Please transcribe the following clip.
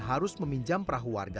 karena kurang punya harga